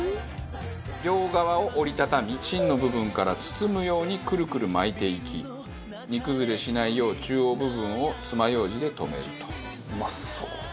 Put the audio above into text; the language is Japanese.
両側を折り畳み芯の部分から包むようにくるくる巻いていき煮崩れしないよう中央部分をつまようじで留めると。